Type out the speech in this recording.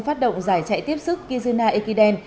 phát động giải chạy tiếp sức kizuna ekiden